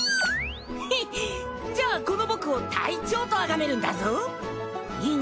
フッじゃあこの僕を隊長と崇めるんだぞ。いいな？